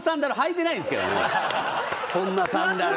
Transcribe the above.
こんなサンダル。